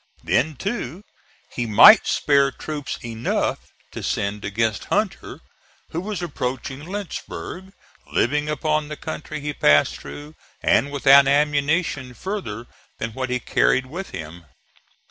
Then too he might spare troops enough to send against Hunter who was approaching Lynchburg, living upon the country he passed through, and without ammunition further than what he carried with him.